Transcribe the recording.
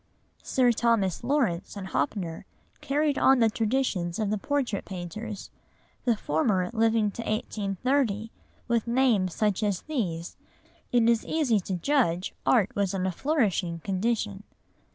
Sir Thomas Lawrence and Hoppner carried on the traditions of the portrait painters, the former living to 1830; with names such as these it is easy to judge art was in a flourishing condition.